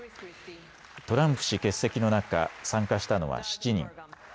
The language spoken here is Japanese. トランプ氏欠席の中、参加したのは７人。